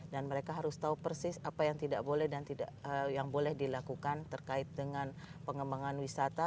dan mereka harus tahu persis apa yang tidak boleh dan yang boleh dilakukan terkait dengan pengembangan wisata